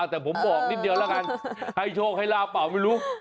แต่ผมบอกนิดเดียวแล้วกันให้โชคให้ลาบเปล่าไม่รู้